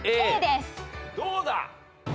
どうだ？